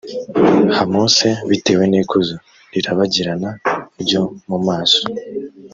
ha mose bitewe n ikuzo rirabagirana ryo mu maso